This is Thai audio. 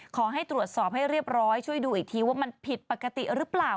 ขอให้ตรวจสอบให้เรียบร้อยช่วยดูอีกทีว่ามันผิดปกติหรือเปล่า